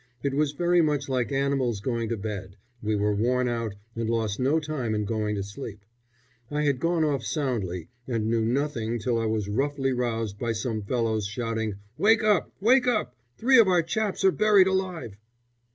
It was very much like animals going to bed. We were worn out, and lost no time in going to sleep. I had gone off soundly and knew nothing till I was roughly roused by some fellows shouting, "Wake up! Wake up! Three of our chaps are buried alive!"